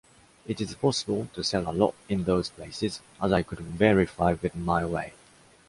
It is possible to sell a lot in those places, as I could verify with “My Way”.